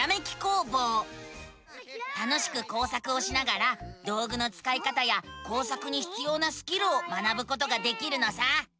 楽しく工作をしながら道ぐのつかい方や工作にひつようなスキルを学ぶことができるのさ！